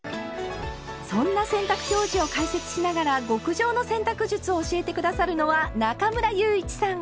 そんな洗濯表示を解説しながら極上の洗濯術を教えて下さるのは中村祐一さん。